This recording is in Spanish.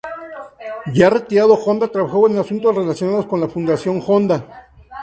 Ya retirado Honda trabajó en asuntos relacionados con la "Fundación Honda".